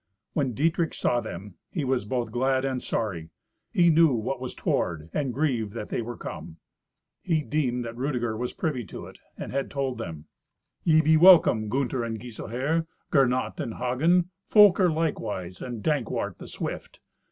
When Dietrich saw them, he was both glad and sorry; he knew what was toward, and grieved that they were come. He deemed that Rudeger was privy to it, and had told them. "Ye be welcome, Gunther and Giselher, Gernot and Hagen; Folker, likewise, and Dankwart the swift.